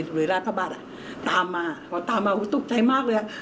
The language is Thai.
หรือหลายพระบาทอ่ะตามมาตามมาตุ๊กใจมากเลยอ่ะ